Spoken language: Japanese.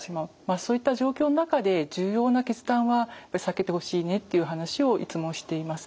そういった状況の中で重要な決断は避けてほしいねっていう話をいつもしています。